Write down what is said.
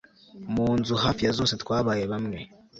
mu nzu hafi ya zose twabaye bamwe